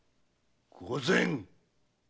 御前！